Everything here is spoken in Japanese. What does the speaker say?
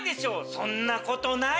そんなことない